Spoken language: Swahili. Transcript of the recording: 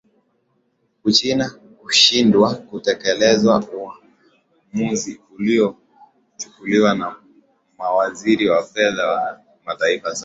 uchina kushindwa kutekeleza uamuzi uliochukuliwa na mawaziri wa fedha wa mataifa saba